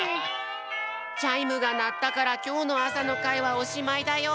チャイムがなったからきょうのあさのかいはおしまいだよ。